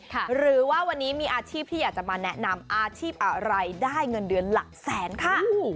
หรือว่าวันนี้มีอาชีพที่อยากจะมาแนะนำอาชีพอะไรได้เงินเดือนหลักแสนค่ะ